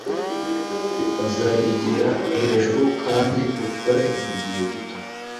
Nzayigira hejuru kandi ikore mugihe gito.